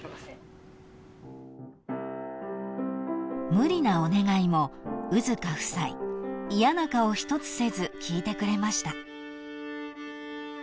［無理なお願いも兎束夫妻嫌な顔一つせず聞いてくれました］